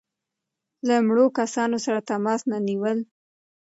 له مړو کسانو سره تماس نه نیول.